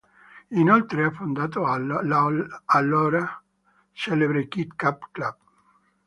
Inoltre ha fondato l'allora celebre Kit-Cat Club.